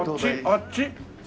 あっち？